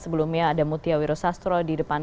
sebelumnya ada mutia wirosastro di depan